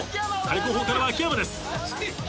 最後方からは秋山です。